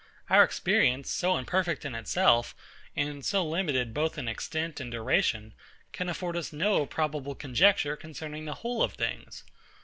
Our experience, so imperfect in itself, and so limited both in extent and duration, can afford us no probable conjecture concerning the whole of things.